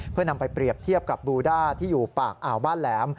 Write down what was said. เพื่อนำไปเปรียบเทียบกับบูด้าที่อยู่ปากอ่าวบ้านแหลม